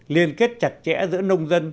liên kết chặt chẽ giữa nông dân